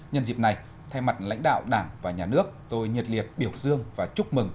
nhân dịp này thay mặt lãnh đạo đảng và nhà nước tôi nhiệt liệt biểu dương và chúc mừng